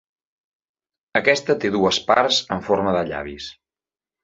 Aquesta té dues parts en forma de llavis.